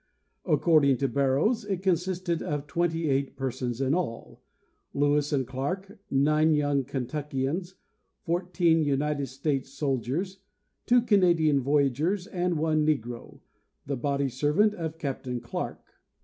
According to Barrows, it consisted of twenty eight persons in all—Lewis and Clarke, nine young Kentuckians, fourteen United States soldiers, two Canadian voyageurs, and one negro, the body servant of Cap tain Clarke.